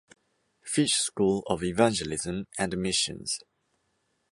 Fish School of Evangelism and Missions.